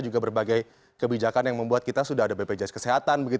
juga berbagai kebijakan yang membuat kita sudah ada bpjs kesehatan